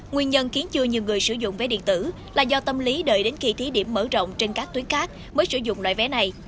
nguyên nhân khiến chưa nhiều người sử dụng vé điện tử là do tâm lý đợi đến khi thí điểm mở rộng trên các tuyến khác mới sử dụng loại vé này